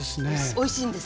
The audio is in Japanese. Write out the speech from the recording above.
おいしいんです。